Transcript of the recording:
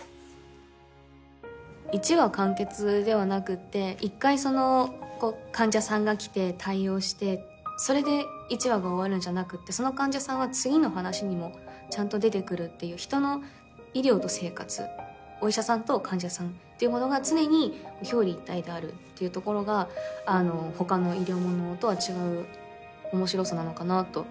一話完結ではなくて一回患者さんが来て対応してそれで一話が終わるんじゃなくてその患者さんは次の話にもちゃんと出てくるっていう人の医療と生活お医者さんと患者さんっていうものが常に表裏一体であるっていうところが他の医療物とは違う面白さなのかなと。